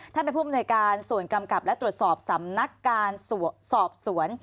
ท่านเป็นผู้อำนวยการส่วนกำกับและตรวจสอบสำนักการสอบสวน